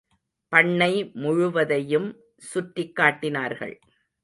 பண்ணை முழுவதையும் சுற்றிக் காட்டினார்கள்.